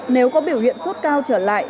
nếu có biểu hiện sốt cao trở lại